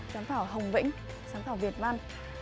giám khảo hồng vĩnh giám khảo việt văn